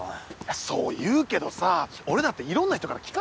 そう言うけどさ俺だって色んな人から聞かれてんねんで？